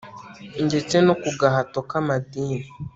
ndetse no ku gahato k'amadini